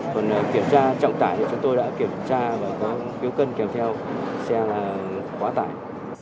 còn kiểm tra trọng tải thì chúng tôi đã kiểm tra và có phiếu cân kèm theo xe quá tải